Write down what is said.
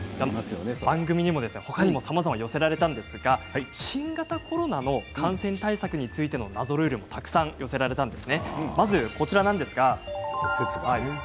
番組にも他にもさまざま寄せられたんですが新型コロナの感染対策についての謎ルールもたくさん寄せられました。